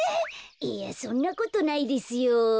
いやそんなことないですよ。